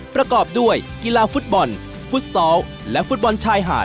ประกอบด้วยกีฬาฟุตบอลฟุตซอลและฟุตบอลชายหาด